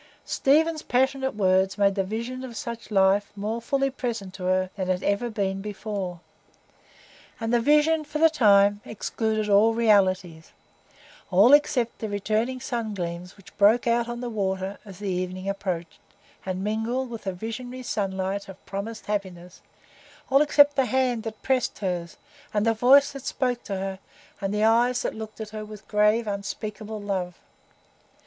Stephen's passionate words made the vision of such a life more fully present to her than it had ever been before; and the vision for the time excluded all realities,—all except the returning sun gleams which broke out on the waters as the evening approached, and mingled with the visionary sunlight of promised happiness; all except the hand that pressed hers, and the voice that spoke to her, and the eyes that looked at her with grave, unspeakable love.